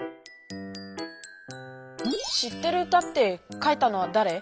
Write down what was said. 「知ってる歌」って書いたのはだれ？